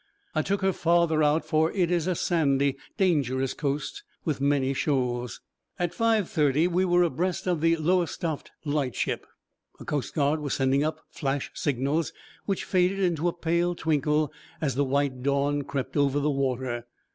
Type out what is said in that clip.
I took her farther out, for it is a sandy, dangerous coast, with many shoals. At five thirty we were abreast of the Lowestoft lightship. A coastguard was sending up flash signals which faded into a pale twinkle as the white dawn crept over the water.